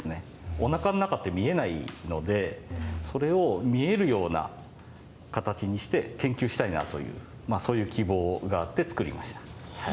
おなかの中って見えないのでそれを見えるような形にして研究したいなというそういう希望があって作りました。